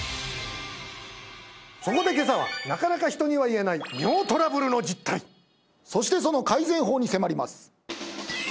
そこで今朝はなかなか人には言えない尿トラブルの実態そしてその改善法に迫ります